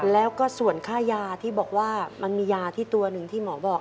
แล้วก็ส่วนค่ายาที่บอกว่ามันมียาที่ตัวหนึ่งที่หมอบอก